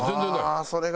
ああそれが。